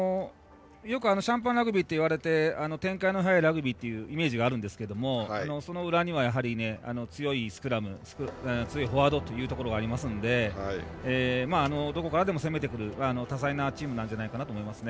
よくシャンパンラグビーといって展開の速いラグビーというイメージがあるんですがその裏には強いスクラム強いフォワードというのがあるのでどこからでも攻めてくる多彩なチームだと思います。